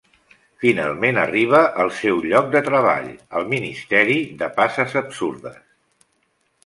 Finalment arriba al seu lloc de treball, el Ministeri de Passes Absurdes.